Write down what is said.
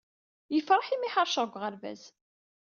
Yefreḥ imi ḥerceɣ deg uɣerbaz.